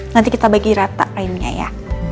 nanti kita bagi rata lainnya ya